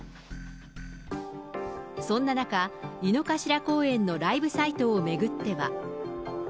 そんな中、井の頭公園のライブサイトを巡っては。